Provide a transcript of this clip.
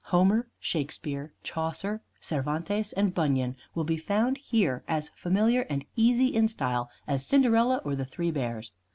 Homer, Shakespeare, Chaucer, Cervantes and Bunyan will be found here as familiar and easy in style as "Cinderella" or "The Three Bears."